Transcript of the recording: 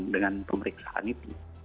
dengan pemeriksaan itu